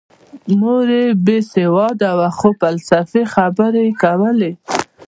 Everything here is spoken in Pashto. مور یې بې سواده وه خو فلسفي خبرې یې کولې